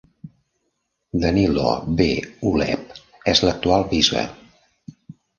Danilo B Ulep és l'actual bisbe.